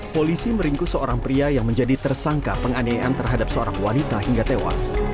polisi meringkus seorang pria yang menjadi tersangka penganiayaan terhadap seorang wanita hingga tewas